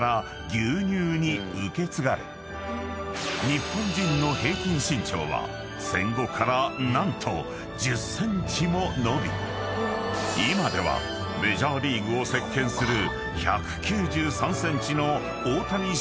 ［日本人の平均身長は戦後から何と１０ｃｍも伸び今ではメジャーリーグを席巻する］